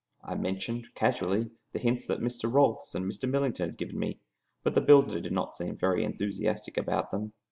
I mentioned, casually, the hints Mr. Rolfs and Mr. Millington had given me, but the builder did not seem very enthusiastic about them.